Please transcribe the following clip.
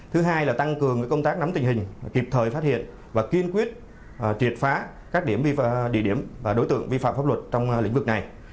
thứ hai là tăng cường công tác nắm tình hình kịp thời phát hiện và kiên quyết triệt phá các địa điểm và đối tượng vi phạm pháp luật trong lĩnh vực này